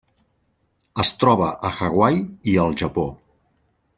Es troba a Hawaii i el Japó.